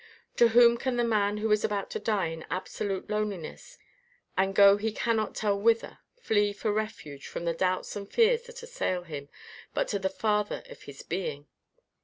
To whom can the man who is about to die in absolute loneliness and go he cannot tell whither, flee for refuge from the doubts and fears that assail him, but to the Father of his being?"